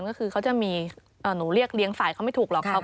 ก็คือเขาจะมีหนูเรียกเลี้ยงฝ่ายเขาไม่ถูกหรอกครับ